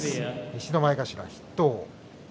西の前頭筆頭。